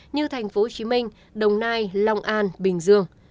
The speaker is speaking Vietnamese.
như tp hcm đồng nai long an bình dương